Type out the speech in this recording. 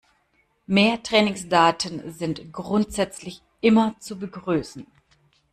Mehr Trainingsdaten sind grundsätzlich immer zu begrüßen.